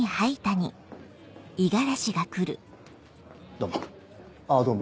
どうも。